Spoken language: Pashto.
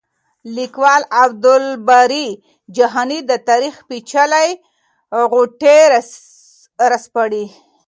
لیکوال عبدالباري جهاني د تاریخ پېچلې غوټې راسپړي.